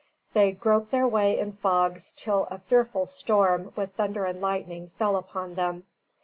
They groped their way in fogs till a fearful storm, with thunder and lightning, fell upon them.